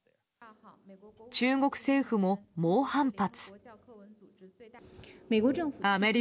中国政府も猛反発。